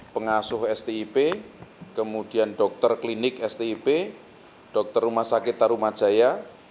pengasuh stip kemudian dokter klinik stip dokter rumah sakit tarumajaya